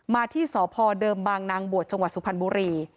มาที่สพเดิมบางนางบวชจังหวัดสุพรรณบุรี